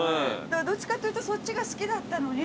どっちかっていうとそっちが好きだったのに。